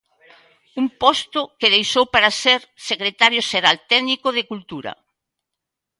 Un posto que deixou para ser secretario xeral técnico de Cultura.